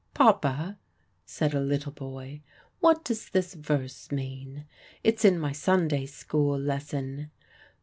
"Papa," said a little boy, "what does this verse mean? It's in my Sunday school lesson.